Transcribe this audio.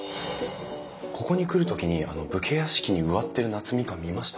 ここに来る時にあの武家屋敷に植わってる夏みかん見ました。